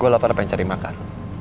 gue lapar pengen cari makan